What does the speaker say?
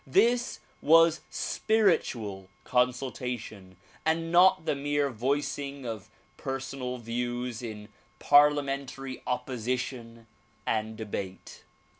This was spiritual consultation and not the mere voicing of personal views in parliamentary opposition and debate.